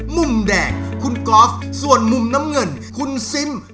มุมแดงคุณกอล์ฟส่วนมุมน้ำเงินคุณซิม